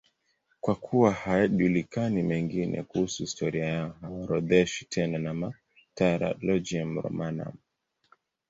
Kwa kuwa hayajulikani mengine kuhusu historia yao, hawaorodheshwi tena na Martyrologium Romanum.